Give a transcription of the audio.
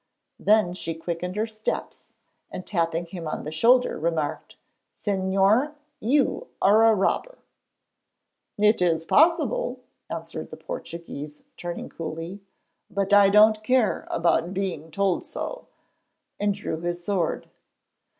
Then she quickened her steps, and, tapping him on the shoulder, remarked: 'Señor, you are a robber.' 'It is possible,' answered the Portuguese, turning coolly; 'but I don't care about being told so,' and drew his sword.